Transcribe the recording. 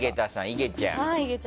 いげちゃん。